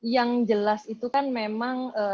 yang jelas itu kan memang